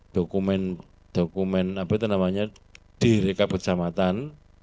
dokumen apa itu namanya direkap kejamatan